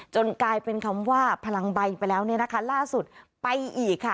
กลายเป็นคำว่าพลังใบไปแล้วเนี่ยนะคะล่าสุดไปอีกค่ะ